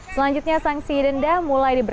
selanjutnya sanksi denda mulai diberikan